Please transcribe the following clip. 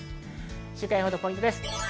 週間予報とポイントです。